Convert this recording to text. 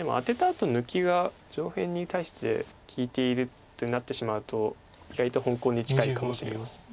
あと抜きが上辺に対して利いているってなってしまうと意外と本コウに近いかもしれません。